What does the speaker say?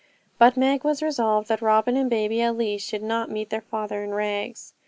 But Meg was resolved that Robin and baby at least should not meet their father in rags.